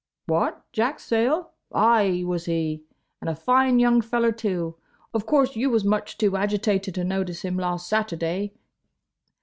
"What, Jack Sayle? Ay, was he. And a fine young feller, too. Of course you was much too agitated to notice him last Saturday.